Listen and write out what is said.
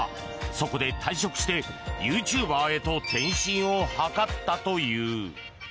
そこで退職してユーチューバーへと転身を図ったという。